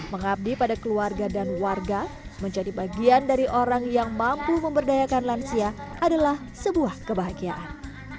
mengabdi pada keluarga dan warga menjadi bagian dari orang yang mampu memberdayakan lansia adalah sebuah kebahagiaan